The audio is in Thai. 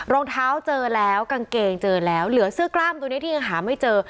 รองเท้าเจอแล้วกางเกงเจอแล้วเหลือเสื้อกล้ามตัวนี้ที่ยังหาไม่เจอ